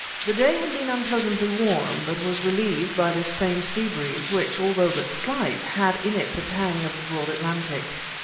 The day had been unpleasantly warm, but was relieved by this same sea breeze, which, although but slight, had in it the tang of the broad Atlantic.